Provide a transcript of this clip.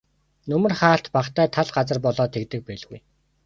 Нөмөр хаалт багатай тал газар болоод тэгдэг байлгүй.